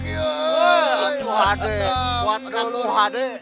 ini anak muhade